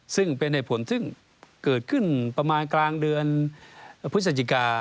ซึ่งเป็นเหตุผลซึ่งเกิดขึ้นประมาณกลางเดือนพฤศจิกา